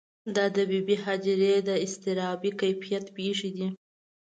دا د بې بي هاجرې د اضطرابي کیفیت پېښې دي.